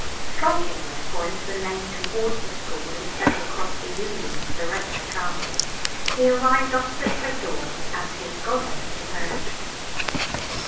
Striking, therefore, into the lane towards the school, instead of across the ewelease direct to Charmley, he arrived opposite her door as his goddess emerged.